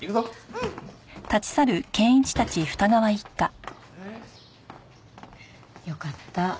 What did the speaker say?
うん！よかった。